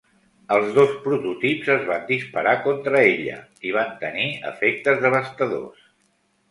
Els dos prototips es van disparar contra ella i van tenir efectes devastadors.